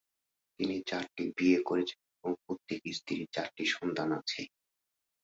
তিনি চারটি বিয়ে করেছেন এবং প্রত্যেক স্ত্রীর চারটি সন্তান আছে।